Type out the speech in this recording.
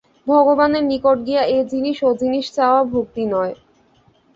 ভগবানের নিকট গিয়া এ-জিনিষ ও-জিনিষ চাওয়া ভক্তি নয়।